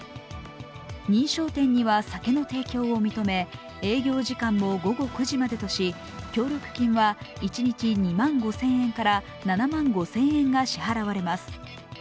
認証店には酒の提供を認め、営業時間も午後９時までとし協力金は一日２万５０００円から７万５０００円が支払われます。